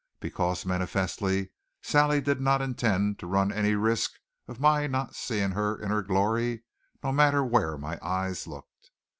Because, manifestly, Sally did not intend to run any risk of my not seeing her in her glory, no matter where my eyes looked.